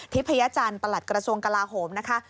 ทิพยจรรย์ประหลัดกระทรวงกราโหมนะคะ